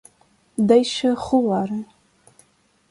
Deixa rolar.